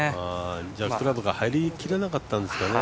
じゃあ、クラブが入りきれなかったんですかね。